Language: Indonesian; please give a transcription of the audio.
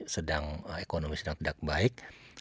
sedang ekonomi sedang tidak baik